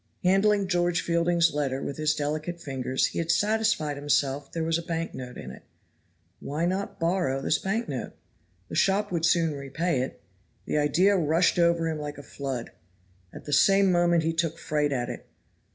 Handling George Fielding's letter with his delicate fingers, he had satisfied himself there was a bank note in it. Why not borrow this bank note? The shop would soon repay it. The idea rushed over him like a flood. At the same moment he took fright at it.